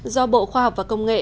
do bộ khoa học và công nghệ